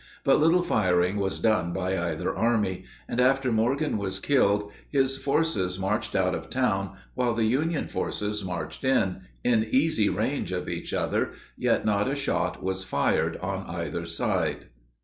But little firing was done by either army; and after Morgan was killed his forces marched out of town while the Union forces marched in, in easy range of each other, yet not a shot was fired on either side.